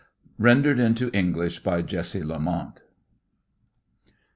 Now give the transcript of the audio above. _ _Rendered into English by Jessie Lemont.